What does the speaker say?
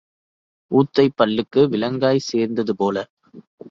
ஊத்தைப் பல்லுக்கு விளாங்காய் சேர்ந்தது போல.